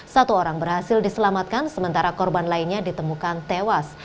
satu orang berhasil diselamatkan sementara korban lainnya ditemukan tewas